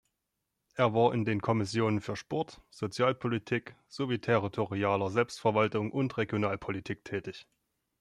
Er war in den Kommissionen für Sport, Sozialpolitik sowie territorialer Selbstverwaltung und Regionalpolitik tätig.